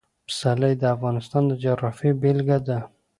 پسرلی د افغانستان د جغرافیې بېلګه ده.